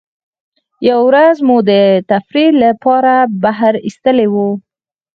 یوه ورځ مو د تفریح له پاره بهر ایستلي وو.